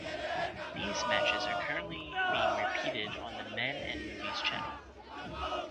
These matches are currently being repeated on the Men and Movies channel.